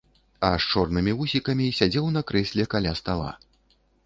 А з чорнымі вусікамі сядзеў на крэсле каля стала.